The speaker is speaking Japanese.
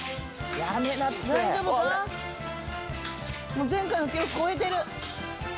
もう前回の記録超えてる。